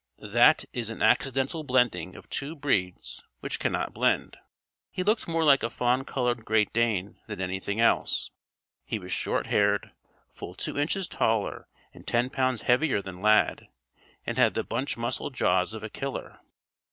That is an accidental blending of two breeds which cannot blend. He looked more like a fawn colored Great Dane than anything else. He was short haired, full two inches taller and ten pounds heavier than Lad, and had the bunch muscled jaws of a killer.